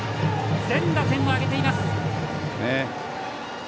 全打点を挙げています。